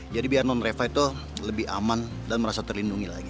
jadi biar non refa itu lebih aman dan merasa terlindungi lagi